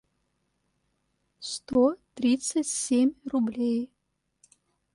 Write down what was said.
сто тридцать семь рублей